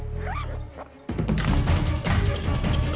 มันจะตัวเองนะ